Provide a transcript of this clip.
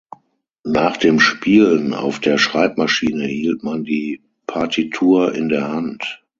Nach dem „Spielen“ auf der Schreibmaschine hielt man die Partitur in der Hand.